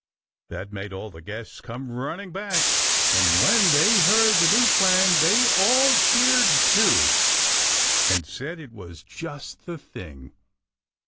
That made all the guests come running back, and when they heard the new plan they all cheered, too, and said it was just the thing.